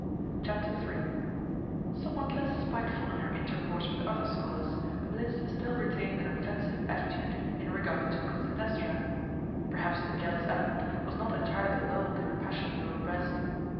CHAPTER III Somewhat less spiteful in her intercourse with other scholars, Mliss still retained an offensive attitude in regard to Clytemnestra. Perhaps the jealous element was not entirely lulled in her passionate little breast.